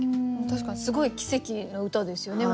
確かにすごい奇跡の歌ですよね。